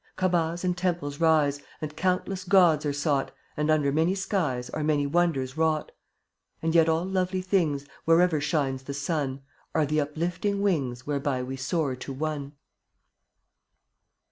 78 Kaabas and temples rise, And countless gods are sought, And under many skies Are many wonders wrought; And yet all lovely things, Wherever shines the sun, Are the uplifting wings Whereby we soar to One.